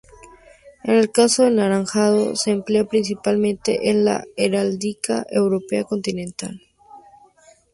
En el caso del anaranjado, se emplea principalmente en la heráldica europea continental.